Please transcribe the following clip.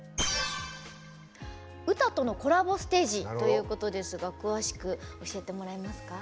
「ウタとのコラボステージ」ということですが詳しく教えてもらえますか？